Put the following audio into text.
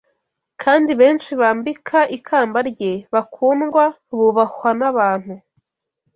kandi benshi bambika ikamba rye, bakundwa, bubahwa n'abantu